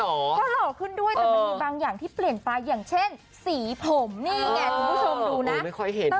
ก็หล่อขึ้นด้วยแต่มันมีบางอย่างที่เปลี่ยนไปอย่างเช่นสีผมนี่ไงคุณผู้ชมดูนะไม่ค่อยเห็น